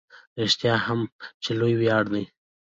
رښتیا هم چې لوی ویاړ دی.